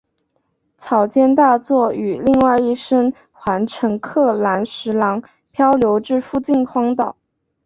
草间大作与另一生还乘客岚十郎漂流至附近荒岛。